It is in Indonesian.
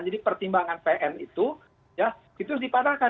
jadi pertimbangan pn itu ya itu dipatahkan